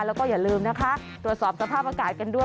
แล้วก็อย่าลืมนะคะตรวจสอบสภาพอากาศกันด้วย